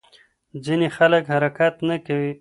ځینې خلک حرکت نه کوي.